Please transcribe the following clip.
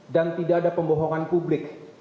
dan tidak ada pembohongan publik